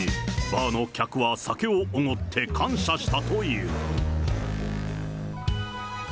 バーの客は酒をおごって感謝したという。